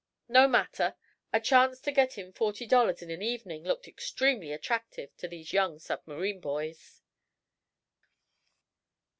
No matter! A chance to get in forty dollars in an evening looked extremely attractive to these young submarine boys.